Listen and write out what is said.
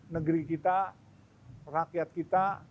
negeri kita rakyat kita